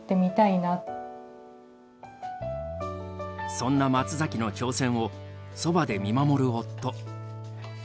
そんな松崎の挑戦をそばで見守る夫。